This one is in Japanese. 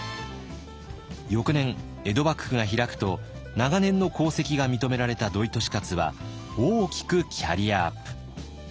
翌年江戸幕府が開くと長年の功績が認められた土井利勝は大きくキャリアアップ。